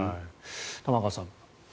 玉川さん。